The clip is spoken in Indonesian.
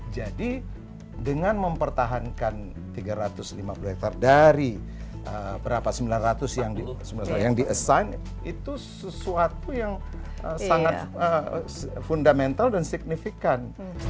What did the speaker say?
jadi dengan mempertahankan tiga ratus lima puluh hektar dari berapa sembilan ratus yang di assign itu sesuatu yang sangat fundamental dan signifikan